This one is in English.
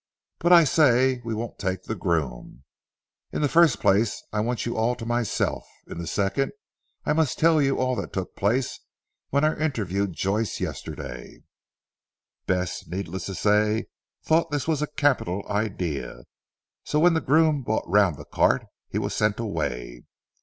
But I say we won't take the groom. In the first place I want you all to myself. In the second, I must tell you all that took place when I interviewed Joyce yesterday." Bess, needless to say thought this a capital plan, so when the groom brought round the cart he was sent away.